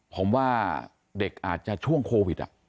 ผมว่าเด็กอาจจะช่วงโควิด